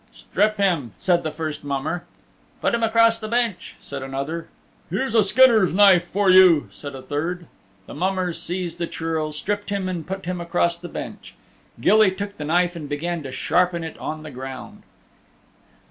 "Strip him," said the first mummer. "Put him across the bench," said another. "Here's a skinner's knife for you," said a third. The mummers seized the Churl, stripped him and put him across the bench. Gilly took the knife and began to sharpen it on the ground.